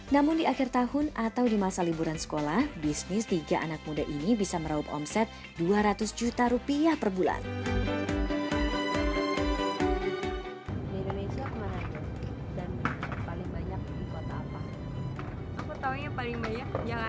namun di akhir tahun atau di masa liburan sekolah bisnis tiga anak muda ini bisa meraup omset dua ratus juta rupiah per bulan